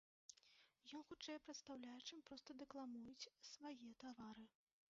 Ён хутчэй прадстаўляе, чым проста дэкламуюць свае творы.